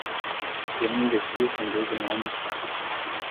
que um imbecil conduza um homem sábio